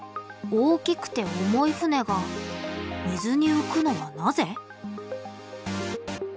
大きくて重い船が水に浮くのはなぜ？